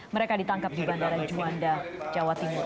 mereka ditangkap di bandara juanda jawa timur